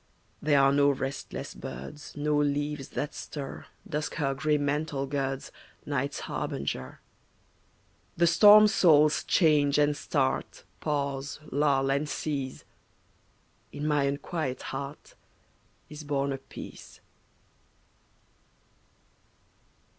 There are no restless birds, No leaves that stir, Dusk her gray mantle girds, Night's harbinger. The storm soul's change and start Pause, lull, and cease; In my unquiet heart Is born a peace.